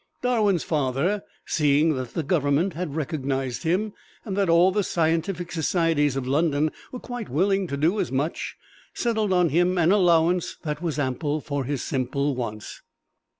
Darwin's father, seeing that the Government had recognized him, and that all the scientific societies of London were quite willing to do as much, settled on him an allowance that was ample for his simple wants.